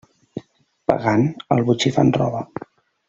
Pagant, al botxí fan roba.